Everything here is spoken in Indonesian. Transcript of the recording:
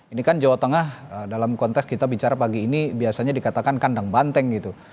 ini kan jawa tengah dalam konteks kita bicara pagi ini biasanya dikatakan kandang banteng gitu